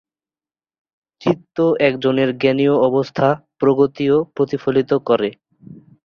চিত্ত একজনের জ্ঞানীয় অবস্থা/প্রগতিও প্রতিফলিত করে।